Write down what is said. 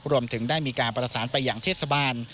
รวมถึงได้มีการประสานไปอย่างเทศบาล